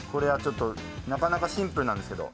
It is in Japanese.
なかなかシンプルなんですけど。